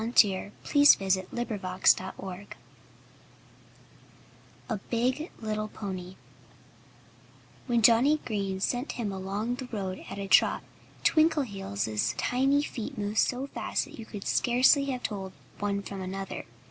(Page 90) 88 THE TALE OF PONY TWINKLEHEELS I A BIG LITTLE PONY When Johnnie Green sent him along the road at a trot, Twinkleheels' tiny feet moved so fast that you could scarcely have told one from another.